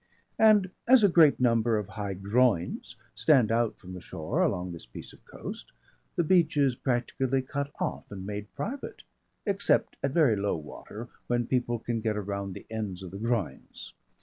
And as a great number of high groins stand out from the shore along this piece of coast, the beach is practically cut off and made private except at very low water, when people can get around the ends of the groins.